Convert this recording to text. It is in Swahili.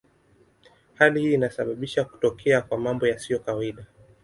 Hali hii inasababisha kutokea kwa mambo yasiyo kawaida.